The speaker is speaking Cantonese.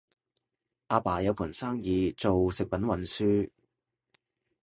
阿爸有盤生意做食品運輸